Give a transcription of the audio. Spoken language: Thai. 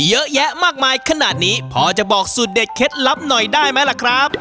เยอะแยะมากมายขนาดนี้พอจะบอกสูตรเด็ดเคล็ดลับหน่อยได้ไหมล่ะครับ